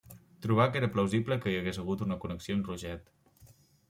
Trobà que era plausible que hi hagués hagut una connexió amb Roget.